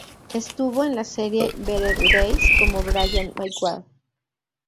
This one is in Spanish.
Estuvo en la serie "Better Days" como Brian McGuire.